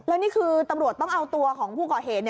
แล้วนี่คือตำรวจต้องเอาตัวของผู้ก่อเหตุ